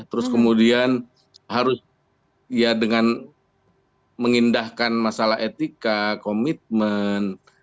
terus kemudian harus ya dengan mengindahkan masalah etika komitmen